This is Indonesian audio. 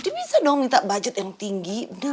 dia bisa dong minta budget yang tinggi